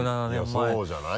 いやそうじゃない？